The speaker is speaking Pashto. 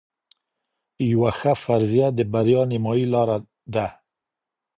یوه ښه فرضیه د بریا نیمايي لار ده.